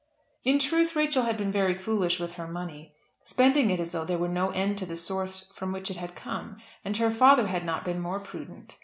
In truth, Rachel had been very foolish with her money, spending it as though there were no end to the source from which it had come, and her father had not been more prudent.